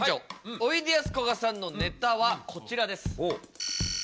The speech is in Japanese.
おいでやすこがさんのネタはこちらです。